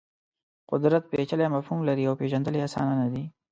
قدرت پېچلی مفهوم لري او پېژندل یې اسان نه دي.